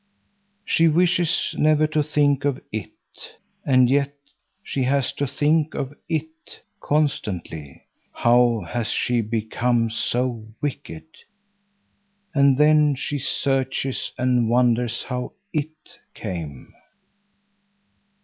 She wishes never to think of "it," and yet she has to think of "it" constantly. How has she become so wicked? And then she searches and wonders how "it" came.